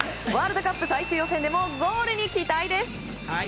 ワールドカップ最終予選でもゴールに期待です！